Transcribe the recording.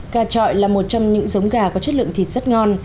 cà trọi là một trong những giống gà có chất lượng thịt rất ngon